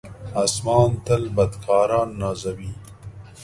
آسمان تل بدکاران نازوي.